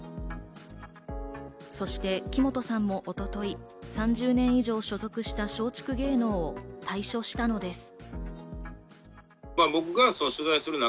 そして木本さんも一昨日、３０年以上所属した松竹芸能を退所したのです。